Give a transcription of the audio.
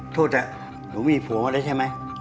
โทษหนูมีผัวแล้วใช่ไหม